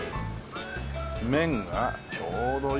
麺がちょうどいい細麺だ。